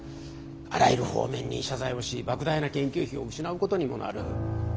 あらゆる方面に謝罪をし莫大な研究費を失うことにもなる。